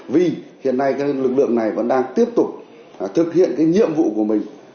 vì hiện nay cái lực lượng này vẫn đang tiếp tục thực hiện cái nhiệm vụ của mình